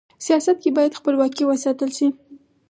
سیاست کي بايد خپلواکي و ساتل سي.